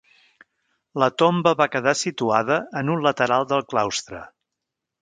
La tomba va quedar situada en un lateral del claustre.